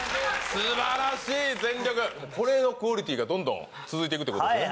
すばらしい全力これのクオリティーがどんどん続いていくということですね